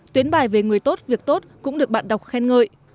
tuyến bài về người tốt việc tốt cũng được bạn đọc khen ngợi